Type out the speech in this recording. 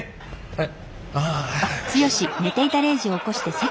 はい。